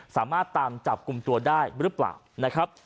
สามารถตามจับกลุ่มตัวได้หรือเปล่านะครับ